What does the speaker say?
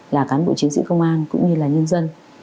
là cán bộ chiến sĩ công an cũng như là nhân dân